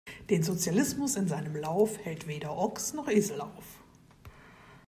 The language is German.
Den Sozialismus in seinem Lauf, hält weder Ochs noch Esel auf!